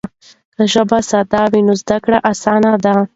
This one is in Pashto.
که ژبه ساده وي نو زده کړه اسانه ده.